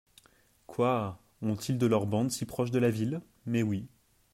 Quoi ! ont-ils de leurs bandes si proches de la ville ? Mais oui.